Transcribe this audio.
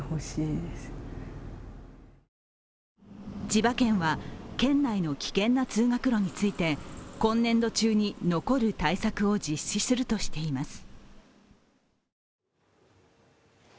千葉県は県内の危険な通学路について今年度中に残る対策を実施するとしています。